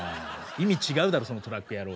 意味違うだろその「トラック野郎」は。